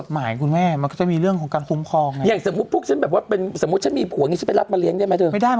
หลายขั้นตอนกฎตรับเรียนได้